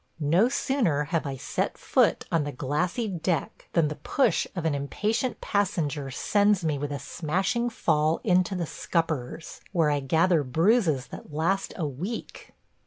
No sooner have I set foot on the glassy deck than the push of an impatient passenger sends me with a smashing fall into the scuppers, where I gather bruises that last a week.